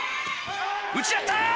・打ち合った！